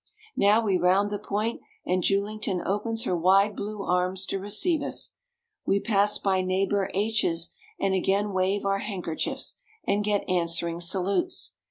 Now we round the point, and Julington opens her wide blue arms to receive us. We pass by Neighbor H 's, and again wave our handkerchiefs, and get answering salutes.